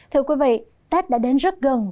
thưa quý vị tết đã đến rất gần